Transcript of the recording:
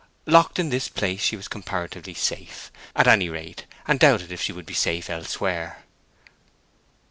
Locked in this place, she was comparatively safe, at any rate, and doubted if she would be safe elsewhere.